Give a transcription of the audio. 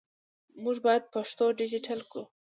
موږ باید پښتو ډیجیټل کړو